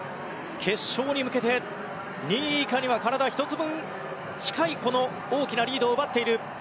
決勝に向けて２位以下には体１つ分近いこの大きなリードを奪っている。